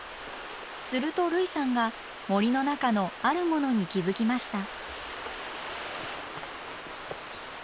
すると類さんが森の中のあるものに気付きました。